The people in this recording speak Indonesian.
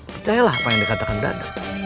percayalah apa yang dikatakan dada